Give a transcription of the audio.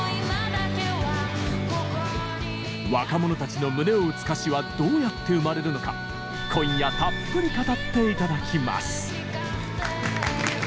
若者たちの胸を打つ歌詞はどうやって生まれるのか今夜たっぷり語っていただきます。